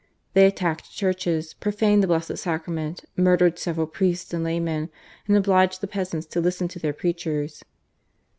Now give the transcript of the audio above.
They attacked churches, profaned the Blessed Sacrament, murdered several priests and laymen, and obliged the peasants to listen to their preachers.